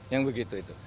yang begitu itu